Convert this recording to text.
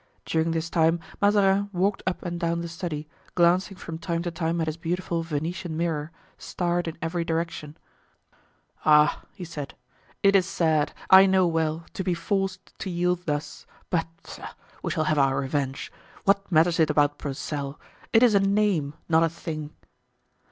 During this time Mazarin walked up and down the study, glancing from time to time at his beautiful Venetian mirror, starred in every direction. "Ah!" he said, "it is sad, I know well, to be forced to yield thus; but, pshaw! we shall have our revenge. What matters it about Broussel—it is a name, not a thing."